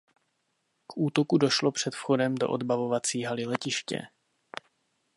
K útoku došlo před vchodem do odbavovací haly letiště.